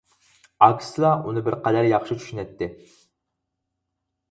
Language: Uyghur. ئاكىسىلا ئۇنى بىر قەدەر ياخشى چۈشىنەتتى.